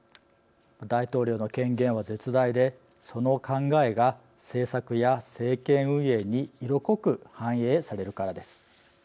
大統領の権限は絶大でその考えが政策や政権運営に色濃く反映されるからです。